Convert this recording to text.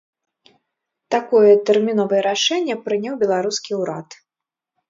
Такое тэрміновае рашэнне прыняў беларускі ўрад.